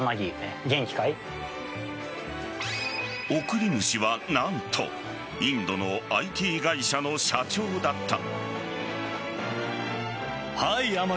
送り主は何とインドのＩＴ会社の社長だった。